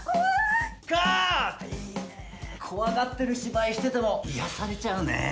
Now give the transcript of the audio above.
怖がってる芝居してても癒やされちゃうねえ。